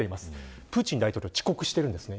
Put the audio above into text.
プーチン大統領遅刻しているんですよね